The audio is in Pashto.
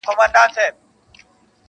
• حقيقت لا هم نيمګړی ښکاري ډېر..